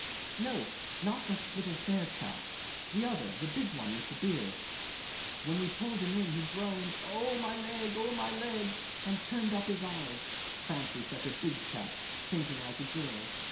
No not the little fair chap the other, the big one with a beard. When we pulled him in he groaned, "Oh, my leg! oh, my leg!" and turned up his eyes. Fancy such a big chap fainting like a girl.